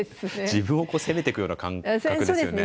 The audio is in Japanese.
自分を責めていくような感覚ですよね。